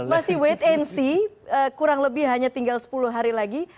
masih wait and see kurang lebih hanya tinggal sepuluh hari lagi